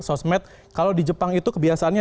sosmed kalau di jepang itu kebiasaannya